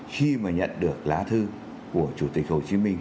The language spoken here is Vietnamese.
khi mà nhận được lá thư của chủ tịch hồ chí minh